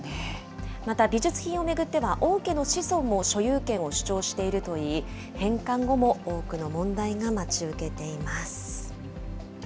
また、美術品を巡っては、王家の子孫も所有権を主張しているといい、返還後も多くの問題が待ち受けています。